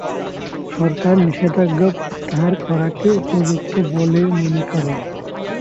সরকার নিষেধাজ্ঞা প্রত্যাহার করাকে উপযুক্ত বলে মনে করে।